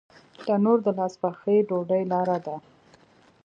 تنور د لاس پخې ډوډۍ لاره ده